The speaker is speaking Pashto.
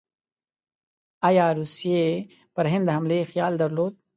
ایا روسیې پر هند د حملې خیال درلود؟